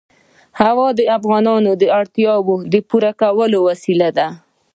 هوا د افغانانو د اړتیاوو د پوره کولو وسیله ده.